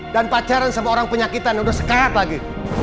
dan pacaran sama orang penyakitan udah sekarat lagi